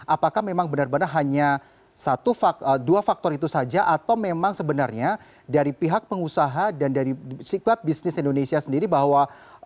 apakah memang benar benar hanya dua faktor itu saja atau memang sebenarnya dari pihak pengusaha dan dari sekuat bisnis indonesia sendiri bahwa